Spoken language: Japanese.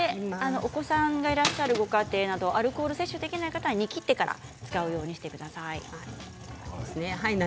お子さんがいるご家庭やアルコール摂取できない方は煮きってから使ってください。